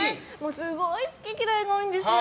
すごい好き嫌いが多いんですよ。